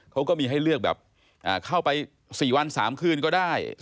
เขาก็มีให้เลือกแบบเข้าไป๔วัน๓คืนก็ได้